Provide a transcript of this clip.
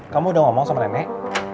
kamu udah ngomong sama nenek